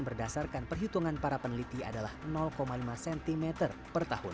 berdasarkan perhitungan para peneliti adalah lima cm per tahun